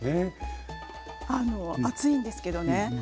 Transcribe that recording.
暑いんですけどね